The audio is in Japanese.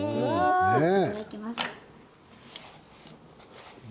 いただきます。